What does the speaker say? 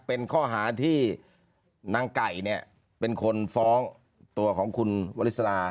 เป็นข้อหาที่นางไก่เนี่ยเป็นคนฟ้องตัวของคุณวริสลา